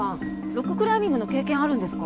ロッククライミングの経験あるんですか？